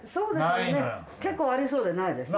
結構ありそうでないですね。